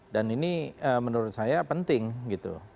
dan ini menurut saya penting gitu